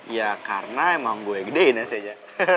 ya karena emang gue gedein aja